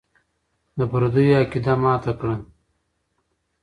د پردیو عقیده ماته کړه.